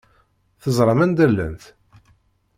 Teẓram anda llant?